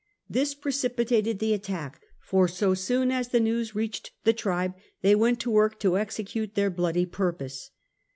This precipitated the attack, for so soon as the news reached the tribe, they went to work to execute their bloody purpose.